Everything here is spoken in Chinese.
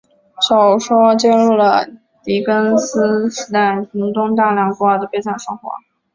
小说揭露了狄更斯时代伦敦大量孤儿的悲惨生活。